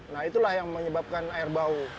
nah itulah yang menyebabkan air bau